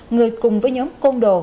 người cùng với nhóm công đồ